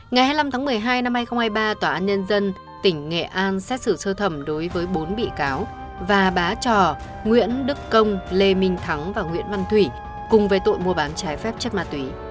ngày hai mươi năm tháng một mươi hai năm hai nghìn hai mươi ba tòa án nhân dân tỉnh nghệ an xét xử sơ thẩm đối với bốn bị cáo và bá trò nguyễn đức công lê minh thắng và nguyễn văn thủy cùng về tội mua bán trái phép chất ma túy